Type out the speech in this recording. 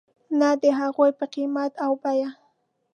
نه د هغوی په قیمت او بیې .